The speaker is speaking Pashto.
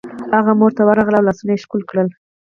هغه مور ته ورغله او لاسونه یې ښکل کړل